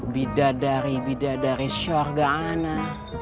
bidadari bidadari syurga ana